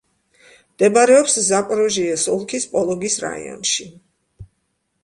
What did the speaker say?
მდებარეობს ზაპოროჟიეს ოლქის პოლოგის რაიონში.